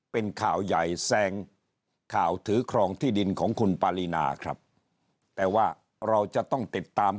เป็นข่าวใหญ่แซงข่าวถือครองที่ดินของคุณปารีนาครับแต่ว่าเราจะต้องติดตาม